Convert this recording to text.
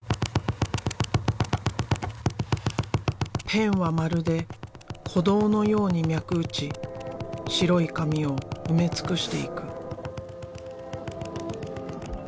ペンはまるで鼓動のように脈打ち白い紙を埋め尽くしていく。